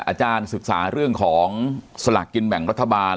อาจารย์ศึกษาเรื่องของสลากกินแบ่งรัฐบาล